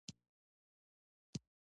د یوې مادې نوعیت څنګه ازميښت کولی شئ؟